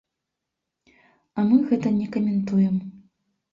А мы гэта не каментуем.